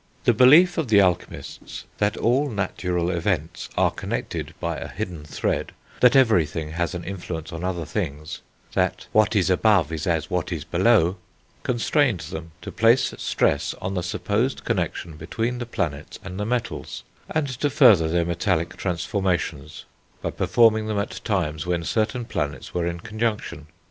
The belief of the alchemists that all natural events are connected by a hidden thread, that everything has an influence on other things, that "what is above is as what is below," constrained them to place stress on the supposed connexion between the planets and the metals, and to further their metallic transformations by performing them at times when certain planets were in conjunction.